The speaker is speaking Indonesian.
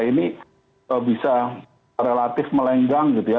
ini bisa relatif melenggang gitu ya